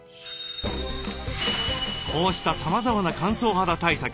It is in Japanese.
こうしたさまざまな乾燥肌対策